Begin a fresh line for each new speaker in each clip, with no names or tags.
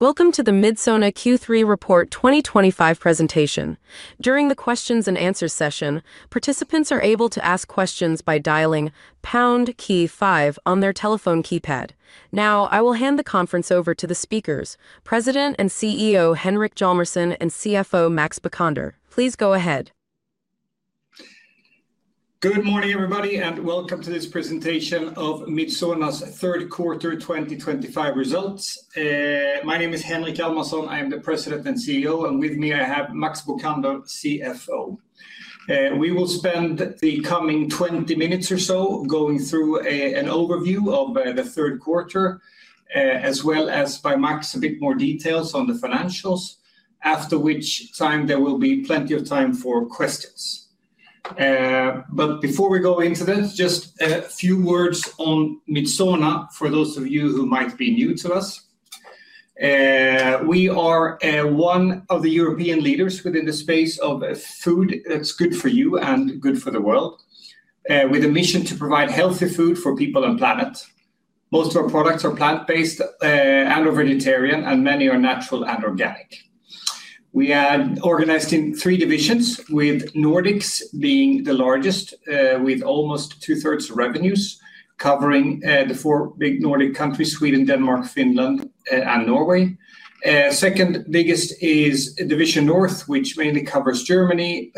Welcome to the Midsona Q3 report 2025 presentation. During the questions and answers session, participants are able to ask questions by dialing pound key five on their telephone keypad. Now, I will hand the conference over to the speakers: President and CEO Henrik Hjalmarsson and CFO Max Bokander. Please go ahead.
Good morning, everybody, and welcome to this presentation of Midsona's third quarter 2025 results. My name is Henrik Hjalmarsson. I am the President and CEO, and with me I have Max Bokander, CFO. We will spend the coming 20 minutes or so going through an overview of the third quarter, as well as by Max a bit more details on the financials, after which time there will be plenty of time for questions. Before we go into that, just a few words on Midsona for those of you who might be new to us. We are one of the European leaders within the space of food that's good for you and good for the world, with a mission to provide healthy food for people and planet. Most of our products are plant-based and/or vegetarian, and many are natural and organic. We are organized in three divisions, with Nordics being the largest, with almost 2/3 of revenues covering the four big Nordic countries: Sweden, Denmark, Finland, and Norway. The second biggest is Division North, which mainly covers Germany,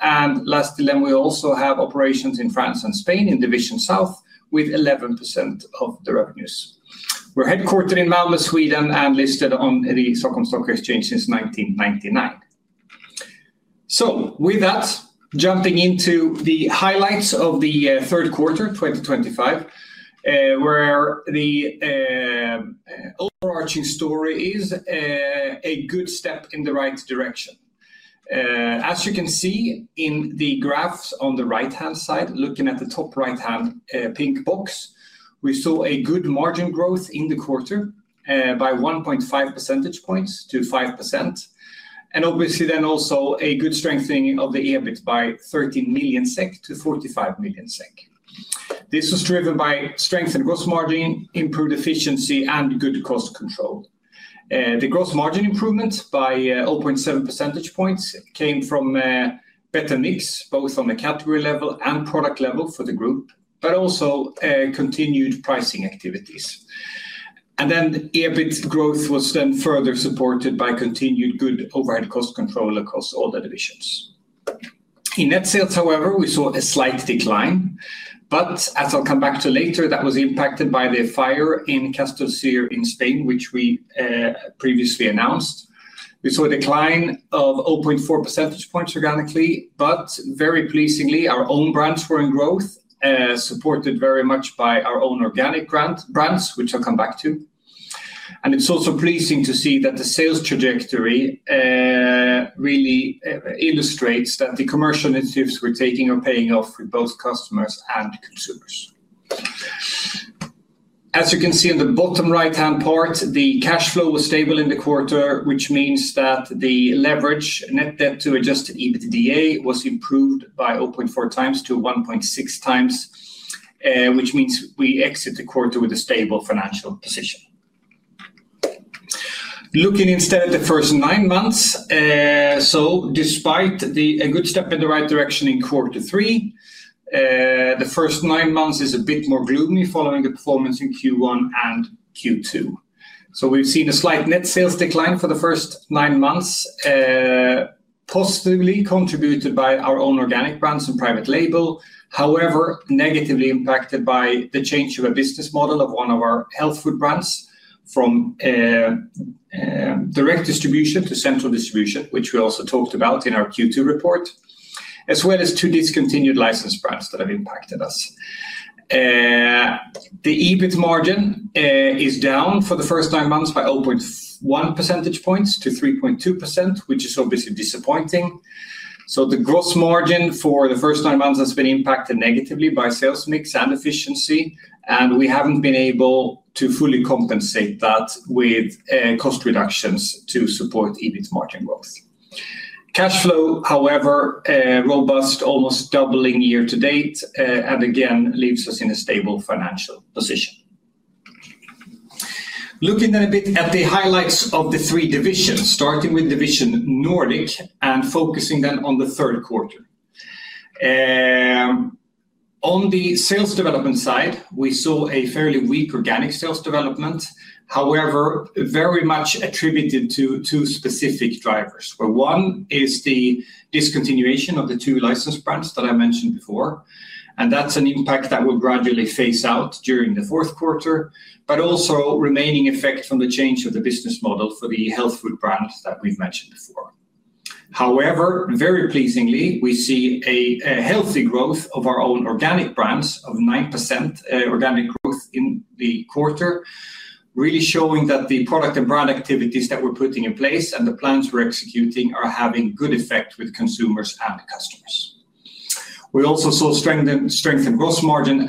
and lastly, we also have operations in France and Spain in Division South, with 11% of the revenues. We're headquartered in Malmö, Sweden, and listed on the Stockholm Stock Exchange since 1999. With that, jumping into the highlights of the third quarter 2025, where the overarching story is a good step in the right direction. As you can see in the graphs on the right-hand side, looking at the top right-hand pink box, we saw a good margin growth in the quarter by 1.5 percentage points to 5%, and obviously then also a good strengthening of the EBIT by 13 million SEK to 45 million SEK. This was driven by strengthened gross margin, improved efficiency, and good cost control. The gross margin improvement by 0.7 percentage points came from a better mix both on the category level and product level for the group, but also continued pricing activities. EBIT growth was then further supported by continued good overhead cost control across all the divisions. In net sales, however, we saw a slight decline, but as I'll come back to later, that was impacted by the fire in Castellcir in Spain, which we previously announced. We saw a decline of 0.4 percentage points organically, but very pleasingly, our own brands were in growth, supported very much by our own organic brands, which I'll come back to. It's also pleasing to see that the sales trajectory really illustrates that the commercial initiatives we're taking are paying off for both customers and consumers. As you can see in the bottom right-hand part, the cash flow was stable in the quarter, which means that the leverage net debt to adjusted EBITDA was improved by 0.4x to 1.6x, which means we exit the quarter with a stable financial position. Looking instead at the first nine months, despite a good step in the right direction in quarter three, the first nine months are a bit more gloomy following the performance in Q1 and Q2. We've seen a slight net sales decline for the first nine months, positively contributed by our own organic brands and private label, however, negatively impacted by the change of a business model of one of our health food brands from direct distribution to central distribution, which we also talked about in our Q2 report, as well as two discontinued license brands that have impacted us. The EBIT margin is down for the first nine months by 0.1 percentage points to 3.2%, which is obviously disappointing. The gross margin for the first nine months has been impacted negatively by sales mix and efficiency, and we haven't been able to fully compensate that with cost reductions to support EBIT margin growth. Cash flow, however, is robust, almost doubling year to date, and again, leaves us in a stable financial position. Looking then a bit at the highlights of the three divisions, starting with Division Nordic and focusing then on the third quarter. On the sales development side, we saw a fairly weak organic sales development, however, very much attributed to two specific drivers, where one is the discontinuation of the two license brands that I mentioned before, and that's an impact that will gradually phase out during the fourth quarter, but also remaining effect from the change of the business model for the health food brands that we've mentioned before. However, very pleasingly, we see a healthy growth of our own organic brands of 9% organic growth in the quarter, really showing that the product and brand activities that we're putting in place and the plans we're executing are having good effect with consumers and customers. We also saw strengthened gross margin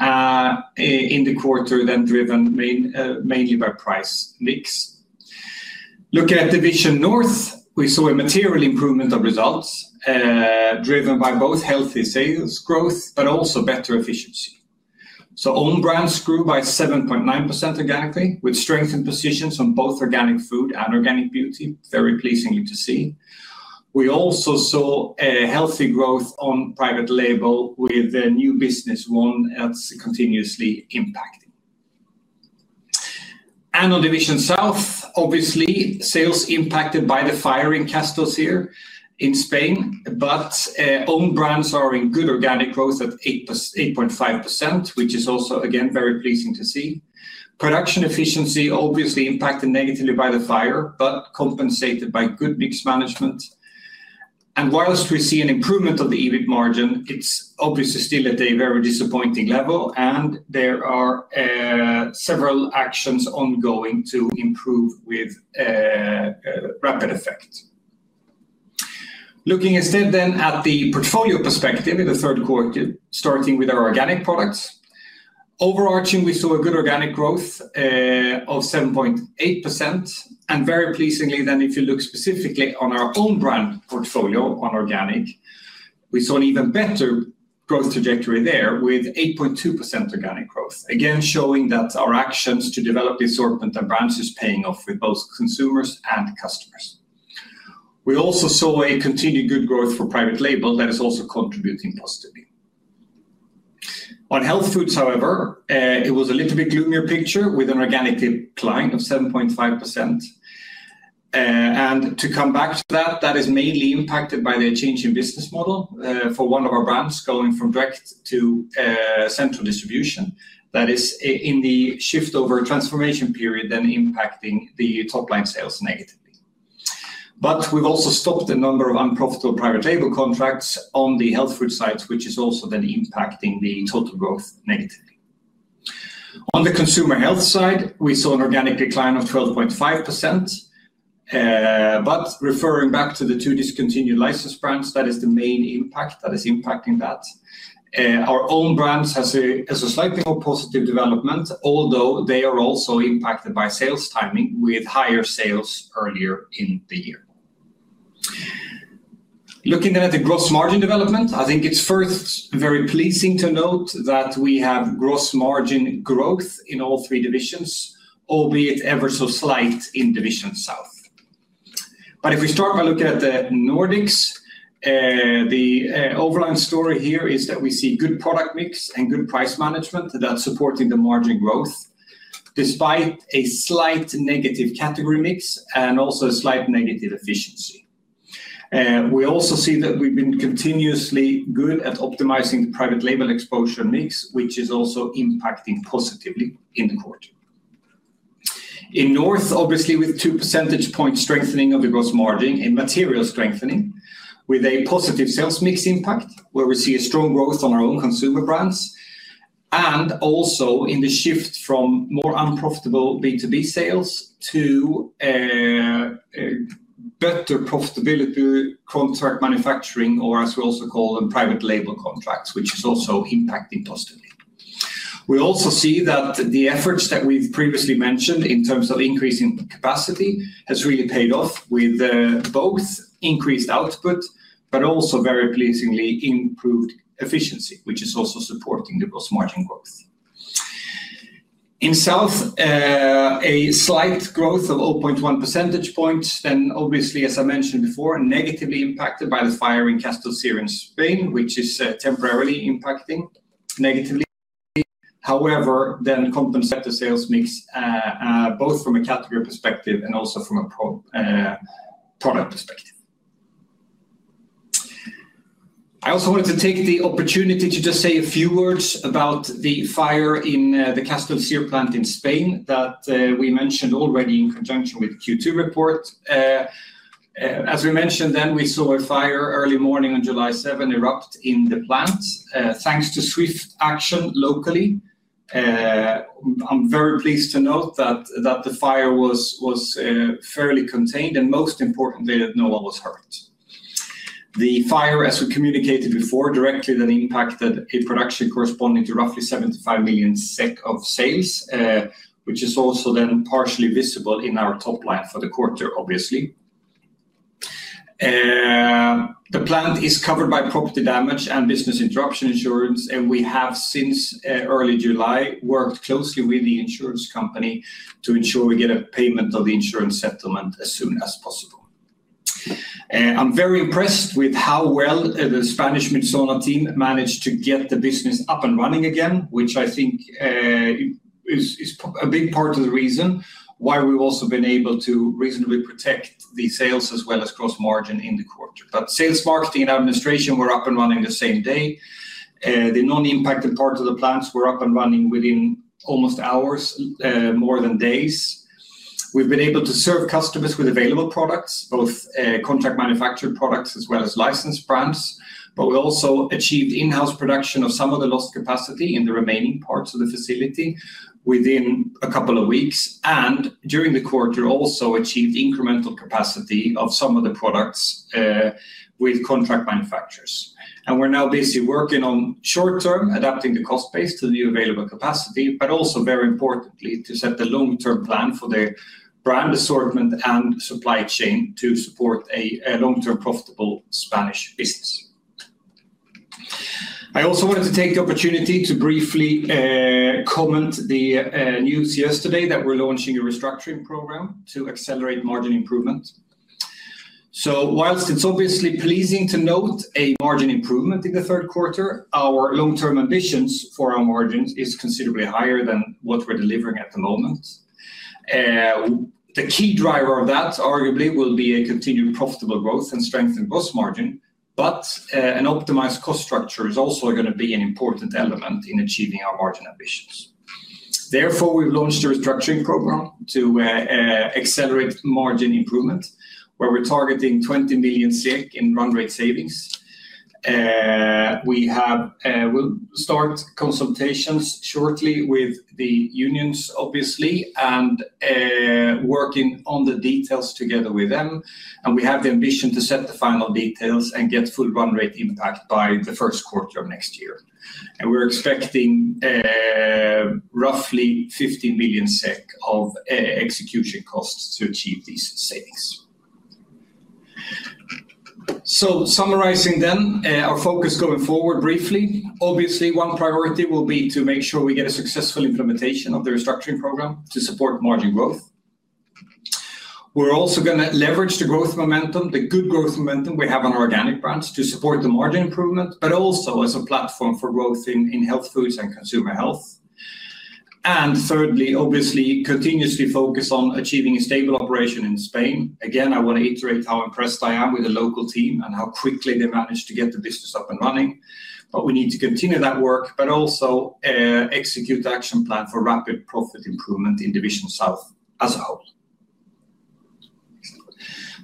in the quarter then driven mainly by price mix. Looking at Division North, we saw a material improvement of results driven by both healthy sales growth but also better efficiency. Own brands grew by 7.9% organically, with strengthened positions on both organic food and organic beauty, very pleasingly to see. We also saw a healthy growth on private label with a new business, one that's continuously impacting. On Division South, obviously, sales impacted by the fire in Castellcir in Spain, but own brands are in good organic growth at 8.5%, which is also, again, very pleasing to see. Production efficiency obviously impacted negatively by the fire, but compensated by good mix management. Whilst we see an improvement of the EBIT margin, it's obviously still at a very disappointing level, and there are several actions ongoing to improve with rapid effect. Looking instead then at the portfolio perspective in the third quarter, starting with our organic products, overarching we saw a good organic growth of 7.8%, and very pleasingly then, if you look specifically on our own brand portfolio on organic, we saw an even better growth trajectory there with 8.2% organic growth, again showing that our actions to develop the assortment and brands are paying off with both consumers and customers. We also saw a continued good growth for private label that is also contributing positively. On health foods, however, it was a little bit gloomier picture with an organic decline of 7.5%. To come back to that, that is mainly impacted by the change in business model for one of our brands going from direct to central distribution. That is in the shift over transformation period then impacting the top-line sales negatively. We've also stopped the number of unprofitable private label contracts on the health food side, which is also then impacting the total growth negatively. On the consumer health side, we saw an organic decline of 12.5%, but referring back to the two discontinued license brands, that is the main impact that is impacting that. Our own brands have a slightly more positive development, although they are also impacted by sales timing with higher sales earlier in the year. Looking then at the gross margin development, I think it's first very pleasing to note that we have gross margin growth in all three divisions, albeit ever so slight in Division South. If we start by looking at the Nordics, the overall story here is that we see good product mix and good price management that's supporting the margin growth despite a slight negative category mix and also a slight negative efficiency. We also see that we've been continuously good at optimizing the private label exposure mix, which is also impacting positively in the quarter. In North, obviously with 2 percentage points strengthening of the gross margin, a material strengthening with a positive sales mix impact, where we see a strong growth on our own consumer brands and also in the shift from more unprofitable B2B sales to better profitability contract manufacturing, or as we also call them, private label contracts, which is also impacting positively. We also see that the efforts that we've previously mentioned in terms of increasing capacity have really paid off with both increased output, but also very pleasingly improved efficiency, which is also supporting the gross margin growth. In South, a slight growth of 0.1 percentage points, obviously, as I mentioned before, negatively impacted by the fire in Castellcir in Spain, which is temporarily impacting negatively. However, compensated the sales mix both from a category perspective and also from a product perspective. I also wanted to take the opportunity to just say a few words about the fire in the Castellcir plant in Spain that we mentioned already in conjunction with the Q2 report. As we mentioned then, we saw a fire early morning on July 7 erupt in the plant. Thanks to swift action locally, I'm very pleased to note that the fire was fairly contained and most importantly that no one was hurt. The fire, as we communicated before, directly then impacted a production corresponding to roughly 75 million SEK of sales, which is also then partially visible in our top line for the quarter, obviously. The plant is covered by property damage and business interruption insurance, and we have since early July worked closely with the insurance company to ensure we get a payment of the insurance settlement as soon as possible. I'm very impressed with how well the Spanish Midsona team managed to get the business up and running again, which I think is a big part of the reason why we've also been able to reasonably protect the sales as well as gross margin in the quarter. Sales, marketing, and administration were up and running the same day. The non-impacted part of the plants were up and running within almost hours, more than days. We've been able to serve customers with available products, both contract manufactured products as well as licensed brands. We also achieved in-house production of some of the lost capacity in the remaining parts of the facility within a couple of weeks, and during the quarter also achieved incremental capacity of some of the products with contract manufacturers. We're now busy working on short-term adapting the cost base to the new available capacity, but also very importantly to set the long-term plan for the brand assortment and supply chain to support a long-term profitable Spanish business. I also wanted to take the opportunity to briefly comment on the news yesterday that we're launching a restructuring program to accelerate margin improvement. Whilst it's obviously pleasing to note a margin improvement in the third quarter, our long-term ambitions for our margins are considerably higher than what we're delivering at the moment. The key driver of that arguably will be continued profitable growth and strengthened gross margin, but an optimized cost structure is also going to be an important element in achieving our margin ambitions. Therefore, we've launched a restructuring program to accelerate margin improvement, where we're targeting 20 million in run rate savings. We will start consultations shortly with the unions, obviously, and working on the details together with them. We have the ambition to set the final details and get full run rate impact by the first quarter of next year. We're expecting roughly 50 million SEK of execution costs to achieve these savings. Summarizing then, our focus going forward briefly, obviously one priority will be to make sure we get a successful implementation of the restructuring program to support margin growth. We're also going to leverage the growth momentum, the good growth momentum we have on organic brands to support the margin improvement, but also as a platform for growth in health foods and consumer health. Thirdly, obviously, continuously focus on achieving a stable operation in Spain. Again, I want to iterate how impressed I am with the local team and how quickly they managed to get the business up and running. We need to continue that work, but also execute the action plan for rapid profit improvement in Division South as a whole.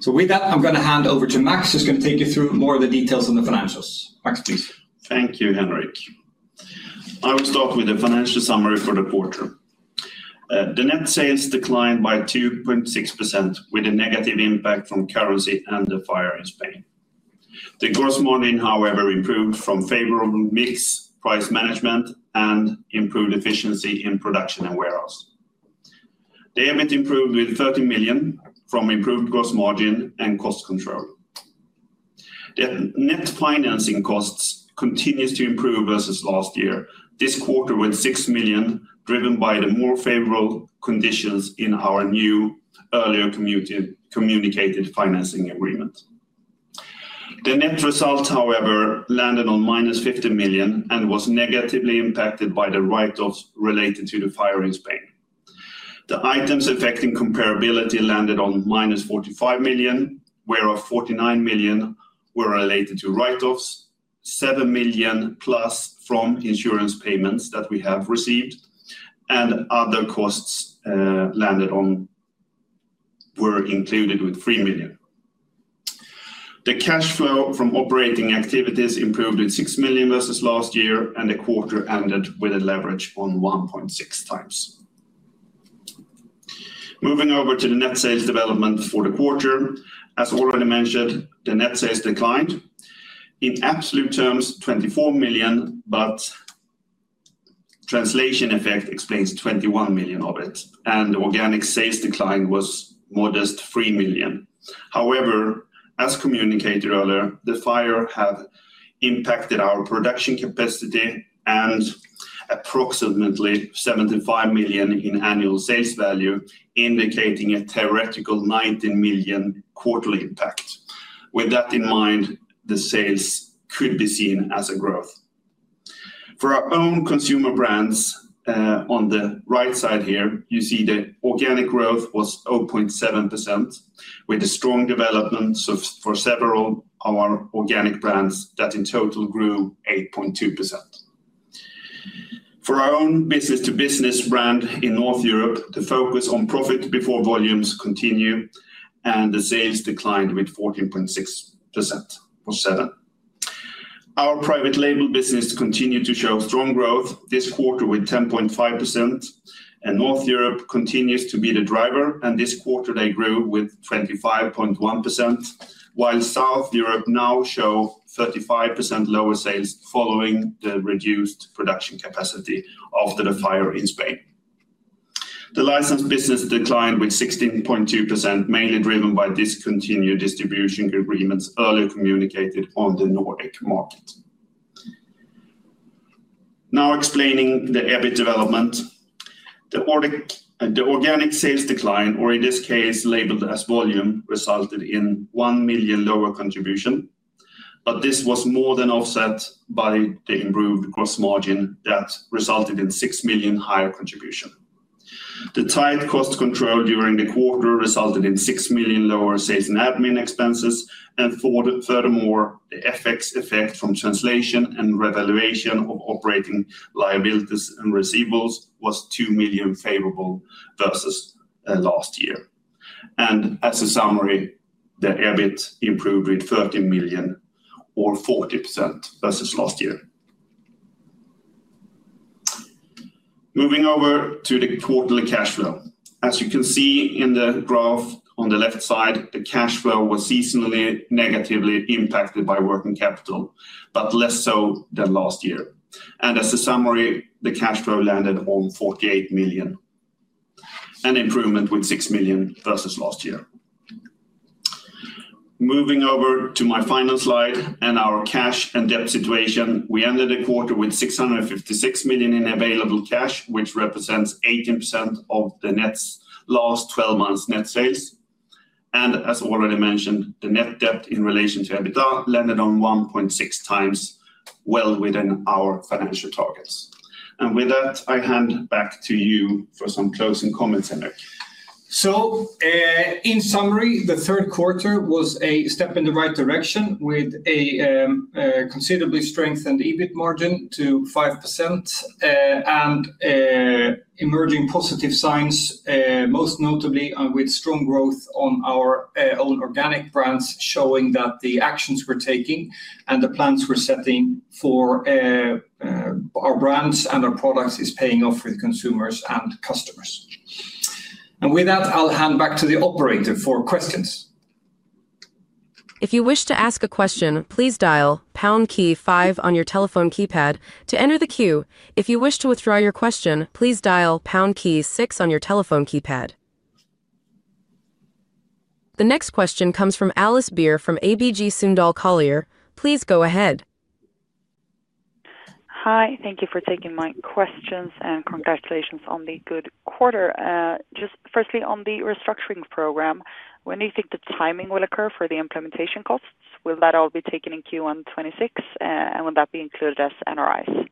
With that, I'm going to hand over to Max, who's going to take you through more of the details on the financials. Max, please.
Thank you, Henrik. I will start with the financial summary for the quarter. The net sales declined by 2.6% with a negative impact from currency and the fire in Spain. The gross margin, however, improved from favorable mix, price management, and improved efficiency in production and warehouse. The EBIT improved with 30 million from improved gross margin and cost control. The net financing costs continue to improve versus last year, this quarter with 6 million driven by the more favorable conditions in our new, earlier communicated financing agreement. The net results, however, landed on -50 million and was negatively impacted by the write-offs related to the fire in Spain. The items affecting comparability landed on -45 million, whereas 49 million were related to write-offs, 7 million+ from insurance payments that we have received, and other costs were included with 3 million. The cash flow from operating activities improved with 6 million versus last year, and the quarter ended with a leverage on 1.6x. Moving over to the net sales development for the quarter, as already mentioned, the net sales declined. In absolute terms, 24 million, but translation effect explains 21 million of it, and the organic sales decline was modest 3 million. However, as communicated earlier, the fire had impacted our production capacity and approximately 75 million in annual sales value, indicating a theoretical 90 million quarterly impact. With that in mind, the sales could be seen as a growth. For our own consumer brands, on the right side here, you see the organic growth was 0.7%, with a strong development for several of our organic brands that in total grew 8.2%. For our own business-to-business brand in North Europe, the focus on profit before volumes continued, and the sales declined with 14.6%. Our private label business continued to show strong growth this quarter with 10.5%, and North Europe continues to be the driver, and this quarter they grew with 25.1%, while South Europe now shows 35% lower sales following the reduced production capacity after the fire in Spain. The license business declined with 16.2%, mainly driven by discontinued distribution agreements earlier communicated on the Nordic market. Now explaining the EBIT development, the organic sales decline, or in this case labeled as volume, resulted in 1 million lower contribution, but this was more than offset by the improved gross margin that resulted in 6 million higher contribution. The tight cost control during the quarter resulted in 6 million lower sales and admin expenses, and furthermore, the FX effect from translation and revaluation of operating liabilities and receivables was 2 million favorable versus last year. As a summary, the EBIT improved with 13 million or 40% versus last year. Moving over to the quarterly cash flow. As you can see in the graph on the left side, the cash flow was seasonally negatively impacted by working capital, but less so than last year. As a summary, the cash flow landed on 48 million, an improvement with 6 million versus last year. Moving over to my final slide and our cash and debt situation, we ended the quarter with 656 million in available cash, which represents 18% of the last 12 months net sales. As already mentioned, the net debt in relation to EBITDA landed on 1.6x, well within our financial targets. With that, I hand back to you for some closing comments, Henrik.
In summary, the third quarter was a step in the right direction with a considerably strengthened EBIT margin to 5% and emerging positive signs, most notably with strong growth on our own organic brands, showing that the actions we're taking and the plans we're setting for our brands and our products are paying off with consumers and customers. With that, I'll hand back to the operator for questions.
If you wish to ask a question, please dial pound key five on your telephone keypad to enter the queue. If you wish to withdraw your question, please dial pound key six on your telephone keypad. The next question comes from Alice Beer from ABG Sundal Collier. Please go ahead.
Hi, thank you for taking my questions and congratulations on the good quarter. Just firstly, on the restructuring program, when do you think the timing will occur for the implementation costs? Will that all be taken in Q1 2026, and will that be included as NRIs?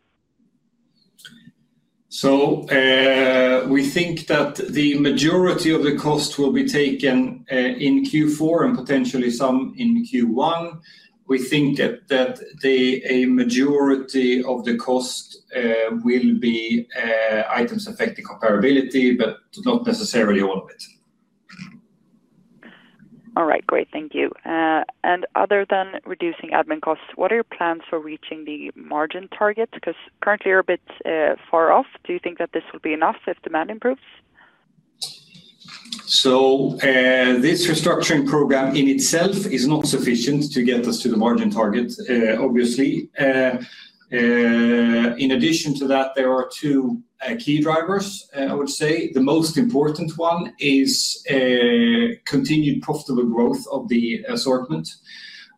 We think that the majority of the cost will be taken in Q4 and potentially some in Q1. We think that a majority of the cost will be items affecting comparability, but not necessarily all of it.
All right, great, thank you. Other than reducing admin costs, what are your plans for reaching the margin targets? Currently you're a bit far off. Do you think that this will be enough if demand improves?
This restructuring program in itself is not sufficient to get us to the margin target, obviously. In addition to that, there are two key drivers, I would say. The most important one is continued profitable growth of the assortment.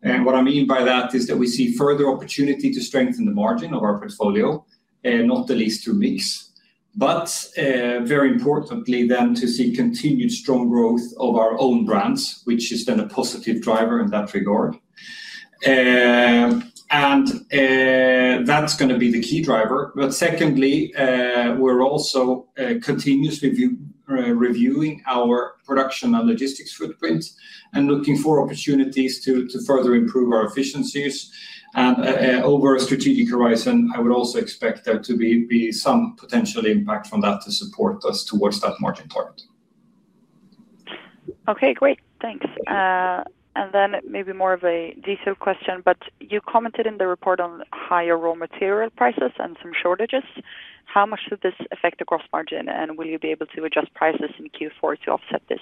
What I mean by that is that we see further opportunity to strengthen the margin of our portfolio, not the least through mix, but very importantly to see continued strong growth of our own organic brands, which is a positive driver in that regard. That is going to be the key driver. Secondly, we're also continuously reviewing our production and logistics footprint and looking for opportunities to further improve our efficiencies. Over a strategic horizon, I would also expect there to be some potential impact from that to support us towards that margin target.
Okay, great, thanks. Maybe more of a detailed question, but you commented in the report on higher raw material prices and some shortages. How much did this affect the gross margin, and will you be able to adjust prices in Q4 to offset this?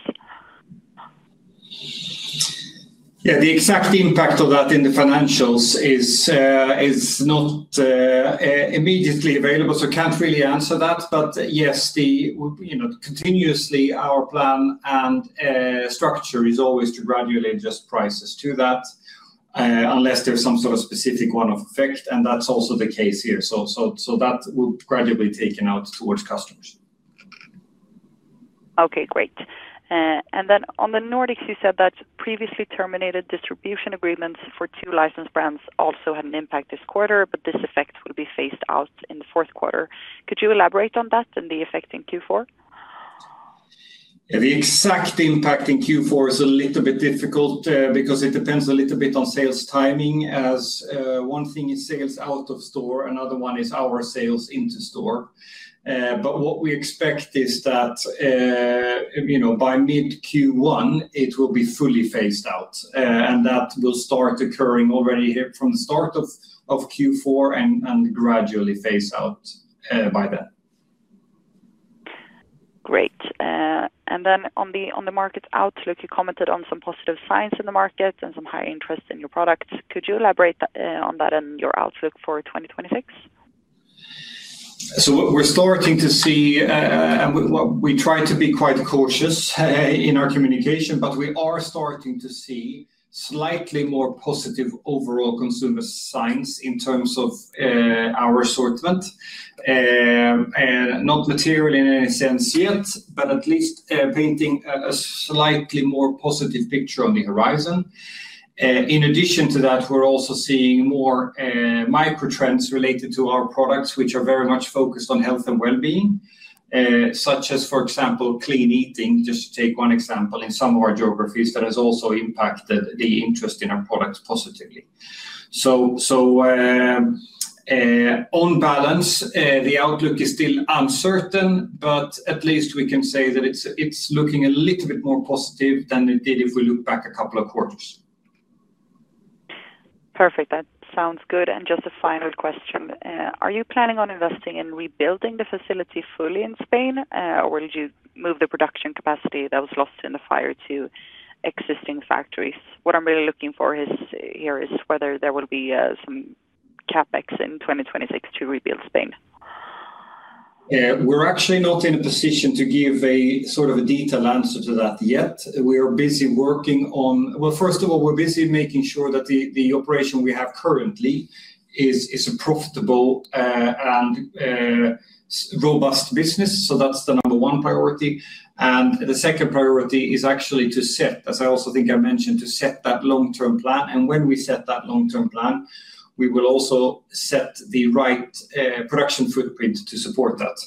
The exact impact of that in the financials is not immediately available, so I can't really answer that. Yes, continuously our plan and structure is always to gradually adjust prices to that unless there's some sort of specific one-off effect, and that's also the case here. That will gradually be taken out towards customers.
Okay, great. On the Nordics, you said that previously terminated distribution agreements for two licensed brands also had an impact this quarter, but this effect will be phased out in the fourth quarter. Could you elaborate on that and the effect in Q4?
The exact impact in Q4 is a little bit difficult because it depends a little bit on sales timing, as one thing is sales out of store, another one is our sales into store. What we expect is that, you know, by mid-Q1, it will be fully phased out, and that will start occurring already from the start of Q4 and gradually phase out by then.
Great. On the market outlook, you commented on some positive signs in the market and some high interest in your products. Could you elaborate on that and your outlook for 2026?
We are starting to see, and we try to be quite cautious in our communication, but we are starting to see slightly more positive overall consumer signs in terms of our assortment. Not material in any sense yet, but at least painting a slightly more positive picture on the horizon. In addition to that, we are also seeing more micro trends related to our products, which are very much focused on health and well-being, such as, for example, clean eating, just to take one example, in some of our geographies that has also impacted the interest in our products positively. On balance, the outlook is still uncertain, but at least we can say that it's looking a little bit more positive than it did if we look back a couple of quarters.
Perfect, that sounds good. Just a final question, are you planning on investing in rebuilding the facility fully in Spain, or will you move the production capacity that was lost in the fire to existing factories? What I'm really looking for here is whether there will be some CapEx in 2026 to rebuild Spain.
We're actually not in a position to give a sort of a detailed answer to that yet. We are busy working on, first of all, we're busy making sure that the operation we have currently is a profitable and robust business. That's the number one priority. The second priority is actually to set, as I also think I mentioned, to set that long-term plan. When we set that long-term plan, we will also set the right production footprint to support that.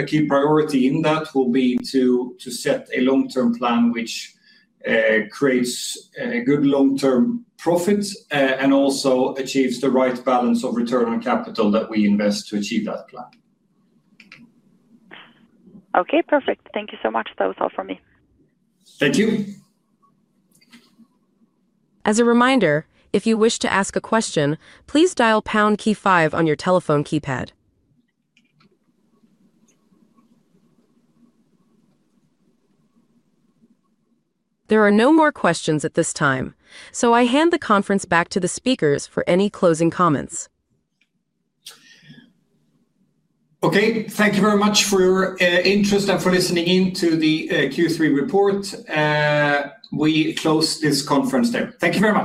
A key priority in that will be to set a long-term plan which creates a good long-term profit and also achieves the right balance of return on capital that we invest to achieve that plan.
Okay, perfect. Thank you so much. That was all for me.
Thank you.
As a reminder, if you wish to ask a question, please dial pound key five on your telephone keypad. There are no more questions at this time, so I hand the conference back to the speakers for any closing comments.
Okay, thank you very much for your interest and for listening in to the Q3 report. We close this conference there. Thank you very much.